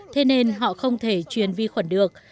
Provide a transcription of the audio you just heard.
thế nên họ không thể truyền vi khuẩn được